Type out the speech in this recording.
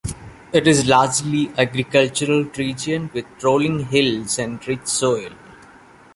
It is a largely agricultural region with rolling hills and rich soil.